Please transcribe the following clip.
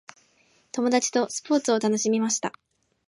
友達とスポーツを楽しみました。